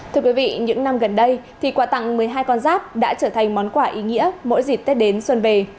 thưa quý vị những năm gần đây quả tặng một mươi hai con giáp đã trở thành món quả ý nghĩa mỗi dịp tết đến xuân về